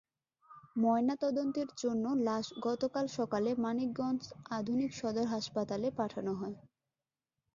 ময়নাতদন্তের জন্য লাশ গতকাল সকালে মানিকগঞ্জ আধুনিক সদর হাসপাতালে পাঠানো হয়।